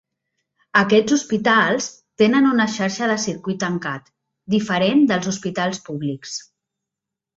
Aquests hospitals tenen una xarxa de circuit tancat, diferent dels hospitals públics.